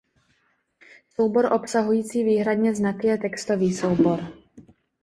Soubor obsahující výhradně znaky je textový soubor.